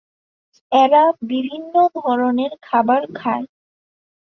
এরা বিভিন্ন ধরনের খাবার খায়।